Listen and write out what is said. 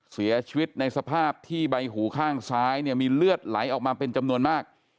เสียชีวิตในสภาพที่ใบหูข้างซ้ายเนี่ยมีเลือดไหลออกมาเป็นจำนวนมาก